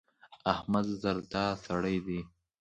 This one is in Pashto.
احمد زردا سړی دی.